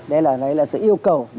đấy là sự yêu cầu